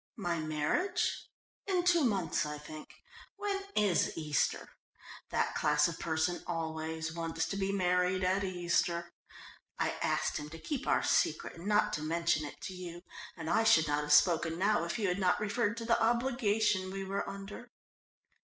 "My marriage? In two months, I think. When is Easter? That class of person always wants to be married at Easter. I asked him to keep our secret and not to mention it to you, and I should not have spoken now if you had not referred to the obligation we were under."